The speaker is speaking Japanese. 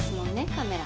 カメラ。